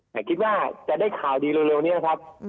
แต่คิดว่าจะได้ข่าวดีเร็วนี้นะครับ